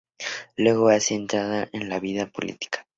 Luego, hace entrada en la vida política.